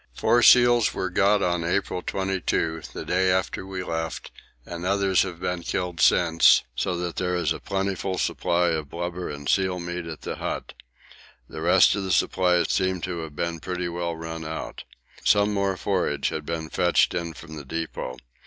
Four seals were got on April 22, the day after we left, and others have been killed since, so that there is a plentiful supply of blubber and seal meat at the hut the rest of the supplies seem to have been pretty well run out. Some more forage had been fetched in from the depot.